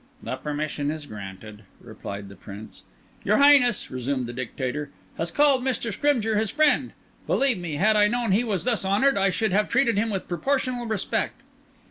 "The permission is granted," replied the Prince. "Your Highness," resumed the Dictator, "has called Mr. Scrymgeour his friend. Believe me, had I known he was thus honoured, I should have treated him with proportional respect."